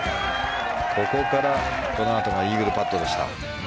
ここから、このあとイーグルパットでした。